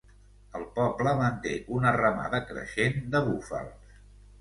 El poble manté una ramada creixent de búfals.